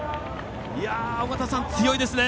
尾方さん、強いですね。